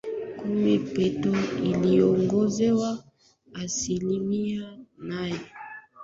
elfu mbili na nne na mwaka elfu mbili na kumi pato liliongezeka asilimia nane